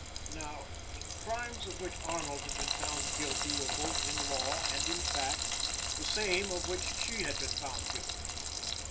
Now, the crimes of which Arnold had been found guilty were both in law and in fact the same of which she had been found guilty.